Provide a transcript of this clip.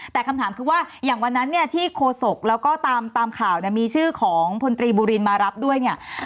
แต่คำถามคือว่าอย่างวันนั้นเนี่ยที่โคศกแล้วก็ตามข่าวเนี่ยมีชื่อของพลตรีบุรินมารับด้วยเนี่ย